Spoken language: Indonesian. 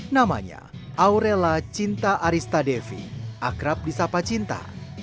namanya aurella cinta arista devi akrab di sapa cinta